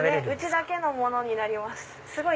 うちだけのものになります。